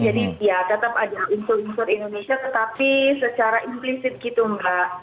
jadi ya tetap ada unsur unsur indonesia tetapi secara implicit gitu mbak